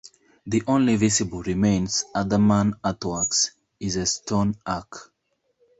The only visible remains, other than earthworks, is a stone arch.